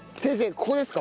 ここですか？